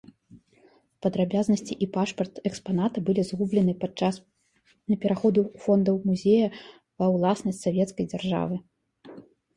Падрабязнасці і пашпарт экспаната былі згублены падчас пераходу фондаў музея ва ўласнасць савецкай дзяржавы.